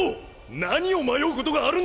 何を迷うことがあるんです！